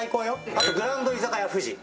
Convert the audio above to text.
あとグランド居酒屋富士。